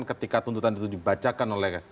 ketika tuntutan itu dibacakan oleh